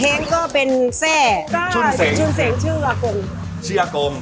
แห้งก็เป็นเส้ชุ่นเส็งชื่ออากง